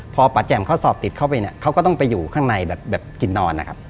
พอป่าแจ่มเขาสอบติดเข้าไปเนี่ยเขาก็ต้องไปอยู่ข้างในแบบกินนอนนะครับ